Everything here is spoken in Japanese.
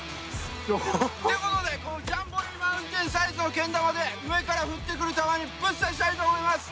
いうことでこのジャンボリーマウンテンサイズのけん玉で上から降ってくる玉にぶっさしたいと思います。